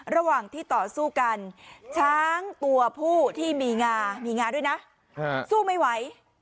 ระหว่างที่ต่อสู้กันช้างตัวผู้ที่มีงามีงาด้วยนะสู้ไม่ไหว